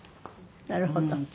なるほど。